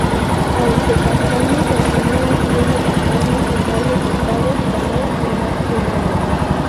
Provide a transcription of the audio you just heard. Aunque Castaño continuó haciendo campaña en varios estados, ganó sin más primarias.